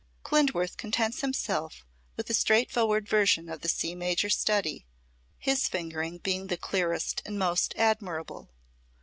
Klindworth contents himself with a straightforward version of the C major study, his fingering being the clearest and most admirable.